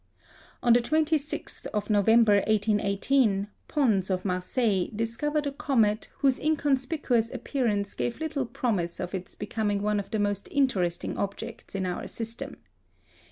On the 26th of November, 1818, Pons of Marseilles discovered a comet, whose inconspicuous appearance gave little promise of its becoming one of the most interesting objects in our system.